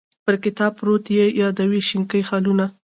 پر کتاب پروت یې یادوې شینکي خالونه